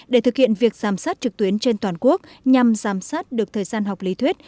để thực hiện việc giám sát trực tuyến trên toàn quốc nhằm giám sát được thời gian học lý thuyết